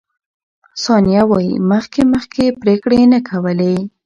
ثانیه وايي، مخکې مخکې پرېکړې نه کولې.